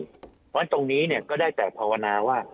เพราะฉะนั้นตรงนี้ก็ได้แต่ภาวนาว่า